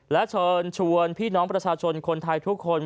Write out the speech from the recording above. และเชิญชวนพี่น้องประชาชนคนไทยทุกคน